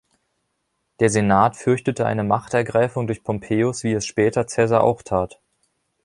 Der Senat fürchtete eine Machtergreifung durch Pompeius, wie es später Caesar auch tat.